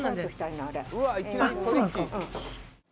あっそうなんですか？